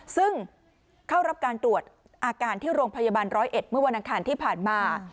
ซึ่งเข้ารับการตรวจอาการที่โรงพยาบาลร้อยเอ็ดเมื่อวันอังคารที่ผ่านมา